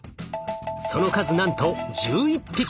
その数なんと１１匹！